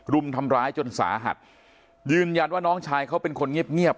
รุมทำร้ายจนสาหัสยืนยันว่าน้องชายเขาเป็นคนเงียบเงียบ